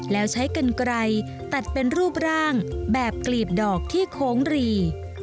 แล้วใช้กันไกลตัดเป็นรูปร่างแบบกลีบดอกที่โค้งหรี่